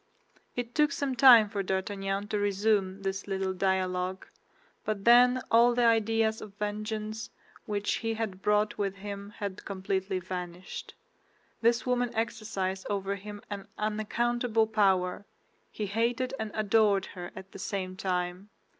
It took some time for D'Artagnan to resume this little dialogue; but then all the ideas of vengeance which he had brought with him had completely vanished. This woman exercised over him an unaccountable power; he hated and adored her at the same time.